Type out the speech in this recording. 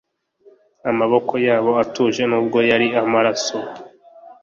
amaboko yabo atuje nubwo yariho amaraso.